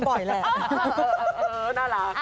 อ้อบ่อยแหละ